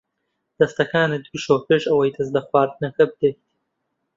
دەستەکانت بشۆ پێش ئەوەی دەست لە خواردنەکە بدەیت.